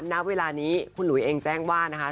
ณเวลานี้คุณหลุยเองแจ้งว่านะคะ